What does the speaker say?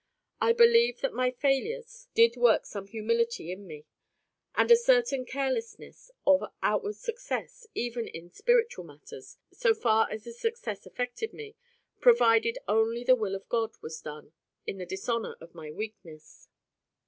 I believe that my failures did work some humility in me, and a certain carelessness of outward success even in spiritual matters, so far as the success affected me, provided only the will of God was done in the dishonour of my weakness.